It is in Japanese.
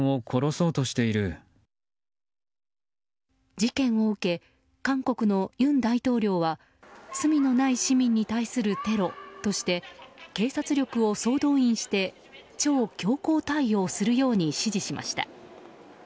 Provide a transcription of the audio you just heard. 事件を受け、韓国の尹大統領は罪のない市民に対するテロとして警察力を総動員して超強硬対応するように指示しました。